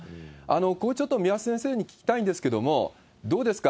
ここちょっと三輪先生に聞きたいんですけれども、どうですか？